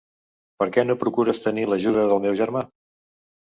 Per què no procures tenir l'ajuda del meu germà?